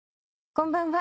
こんばんは。